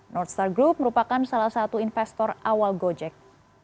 nort star group merupakan salah satu investor awal gojek